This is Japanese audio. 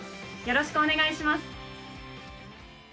よろしくお願いします。